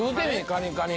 カニカニ。